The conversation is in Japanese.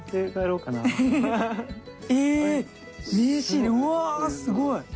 うわすごい！